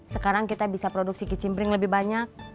sekarang kita bisa produksi kicim pling lebih banyak